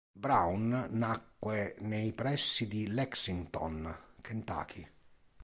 Brown nacque nei pressi di Lexington, Kentucky.